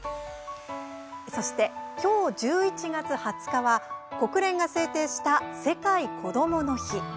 そして今日、１１月２０日は国連が制定した「世界こどもの日」。